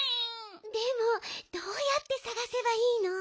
でもどうやってさがせばいいの？